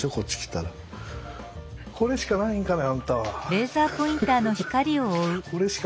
これしかないんですかあんたは。